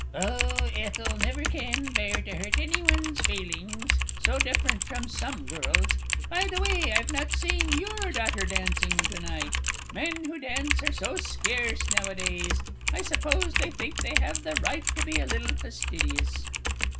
Oh, Ethel never can bear to hurt any one's feelings so different from some girls! By the way, I've not seen your daughter dancing to night men who dance are so scarce nowadays I suppose they think they have the right to be a little fastidious.